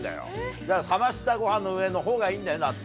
だから冷ましたご飯の上のほうがいいんだよ納豆って。